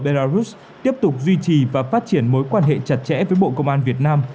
bộ bên đà rút tiếp tục duy trì và phát triển mối quan hệ chặt chẽ với bộ công an việt nam